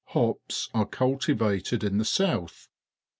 Hops are cultivated in the south.